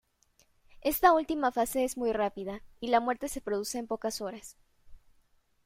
Esta última fase es muy rápida y la muerte se produce en pocas horas.